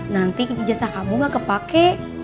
nanti ijazah kamu ga kepake